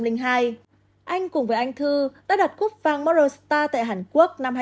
anh cùng với anh thư đã đặt cúp vang model star tại hàn quốc năm hai nghìn một mươi